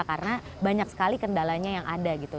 karena banyak sekali kendalanya yang ada gitu